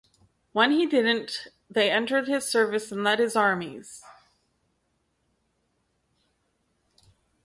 When he didn't, they entered his service and led his armies.